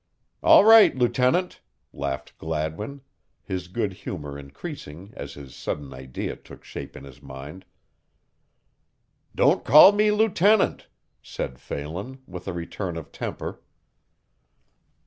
"All right, lieutenant," laughed Gladwin, his good humor increasing as his sudden idea took shape in his mind. "Don't call me lieutenant," said Phelan, with a return of temper.